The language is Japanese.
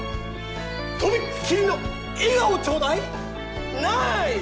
とびっきりの笑顔をちょうだいナイス！